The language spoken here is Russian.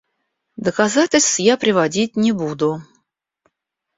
Доказательств я приводить не буду.